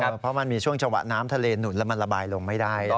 เพราะมันมีช่วงจังหวะน้ำทะเลหนุนแล้วมันระบายลงไม่ได้